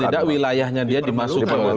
tidak wilayahnya dia dimasukkan